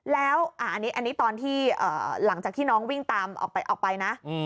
แล้วอันนี้ตอนที่หลังจากที่น้องวิ่งตามออกไปนะ